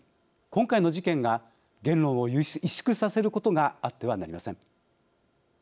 今回の事件が言論を委縮させることがあってはなりません。